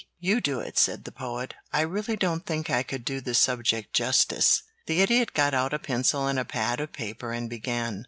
"You do it," said the Poet; "I really don't think I could do the subject justice." The Idiot got out a pencil and a pad of paper and began.